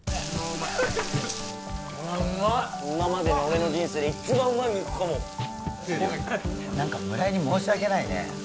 うまい今までの俺の人生で一番うまい肉かもなんか村井に申し訳ないね